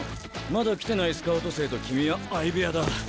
まだ来てないスカウト生と君は相部屋だ。